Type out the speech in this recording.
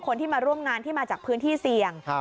คนที่มาร่วมงานที่มาจากพื้นที่เสี่ยง